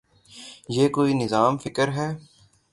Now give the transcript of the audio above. یہ کوئی نظام فکر ہے۔